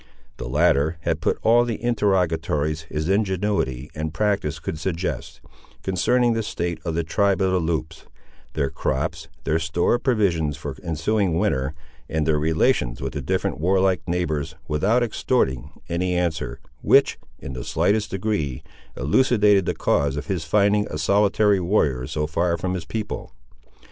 The latter had put all the interrogatories his ingenuity and practice could suggest, concerning the state of the tribe of the Loups, their crops, their store of provisions for the ensuing winter, and their relations with their different warlike neighbours without extorting any answer, which, in the slightest degree, elucidated the cause of his finding a solitary warrior so far from his people.